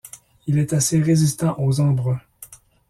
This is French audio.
Il est assez résistant aux embruns.